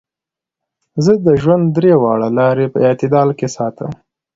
زۀ د ژوند درې واړه لارې پۀ اعتدال کښې ساتم -